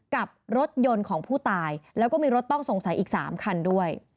กับรถยนต์ของผู้ตายแล้วก็มีรถต้องสงสัยอีก๓คันด้วย